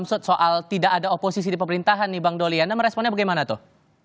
maksud soal tidak ada oposisi di pemerintahan nih bang doli anda meresponnya bagaimana tuh